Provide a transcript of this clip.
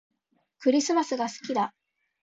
クリスマスが好きだ